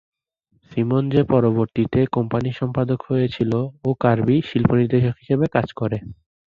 Simon যে পরবর্তীতে কোম্পানির সম্পাদক হয়েছিল ও কার্বি শিল্প নির্দেশক হিসেবে কাজ করে।